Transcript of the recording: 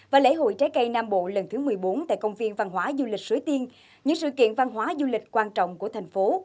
và lễ hội trái cây nam bộ lần thứ một mươi bốn tại công viên văn hóa du lịch suối tiên những sự kiện văn hóa du lịch quan trọng của thành phố